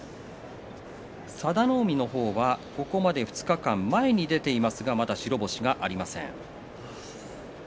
佐田の海が、ここまで２日間前に出ていますがまだ白星がありません。